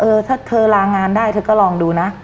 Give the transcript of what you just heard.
เออถ้าเธอลางานได้เธอก็ลองดูนะ